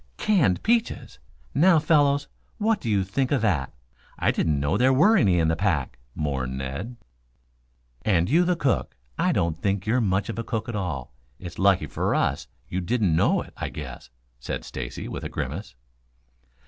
"Canned peaches! Now, fellows, what do you think of that? I didn't know there were any in the pack," mourned Ned. "And you the cook! I don't think you're much of a cook after all. It's lucky for us you didn't know it, I guess," said Stacy, with a grimace.